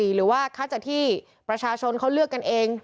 หรือว่าคัดจากที่ประชาชนเขาเลือกกันเอง